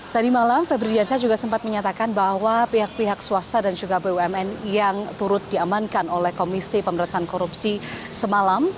tadi malam febri diansyah juga sempat menyatakan bahwa pihak pihak swasta dan juga bumn yang turut diamankan oleh komisi pemerintahan korupsi semalam